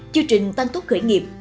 chương trình tan tốt khởi nghiệp